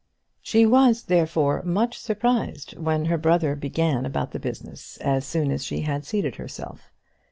She was, therefore, much surprised when her brother began about the business as soon as she had seated herself.